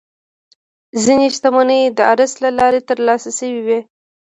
ځینې شتمنۍ د ارث له لارې ترلاسه شوې وي.